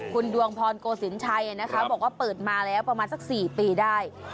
คุณดวงพรโกศิลปชัยนะคะบอกว่าเปิดมาแล้วประมาณสัก๔ปีได้